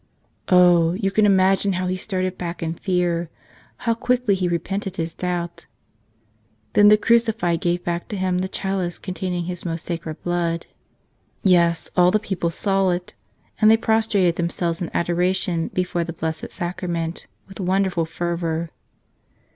Oh, you can imagine how he started back in fear, how quickly he repented his doubt! Then the Crucified gave back to him the chalice containing His Most Sacred Blood. Yes ; all the people saw it ; and they prostrated them¬ selves in adoration before the Blessed Sacrament with wonderful fervor.